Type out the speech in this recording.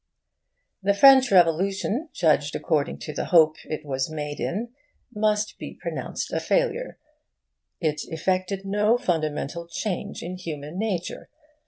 The French Revolution, judged according to the hope it was made in, must be pronounced a failure: it effected no fundamental change in human nature.